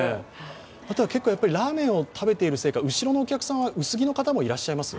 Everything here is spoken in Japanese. あとはラーメンを食べているせいか、後ろのお客さんは薄着の方もいらっしゃいます？